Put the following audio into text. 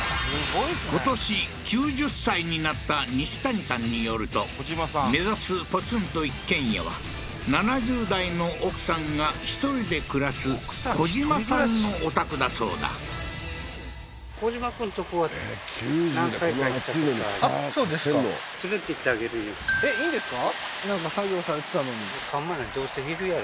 今年９０歳になった西谷さんによると目指すポツンと一軒家は７０代の奥さんが１人で暮らすコジマさんのお宅だそうだあっそうですかいいんですか？